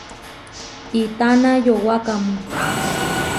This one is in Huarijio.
¿Itána yowákamu?